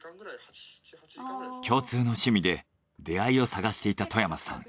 共通の趣味で出会いを探していた外山さん。